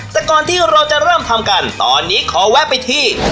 แต่ก่อนที่เราจะเริ่มทำกันตอนนี้ขอแวะไปที่